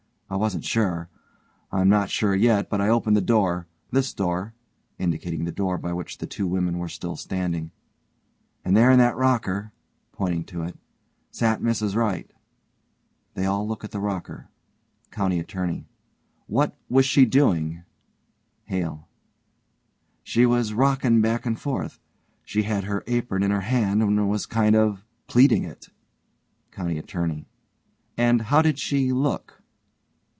I wasn't sure, I'm not sure yet, but I opened the door this door (indicating the door by which the two women are still standing) and there in that rocker (pointing to it) sat Mrs Wright. (They all look at the rocker.) COUNTY ATTORNEY: What was she doing? HALE: She was rockin' back and forth. She had her apron in her hand and was kind of pleating it. COUNTY ATTORNEY: And how did she look?